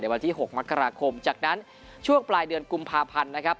วันที่๖มกราคมจากนั้นช่วงปลายเดือนกุมภาพันธ์นะครับ